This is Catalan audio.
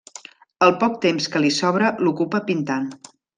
El poc temps que li sobra l'ocupa pintant.